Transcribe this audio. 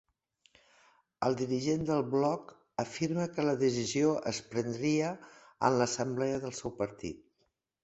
El dirigent del Bloc afirma que la decisió es prendria en l'assemblea del seu partit.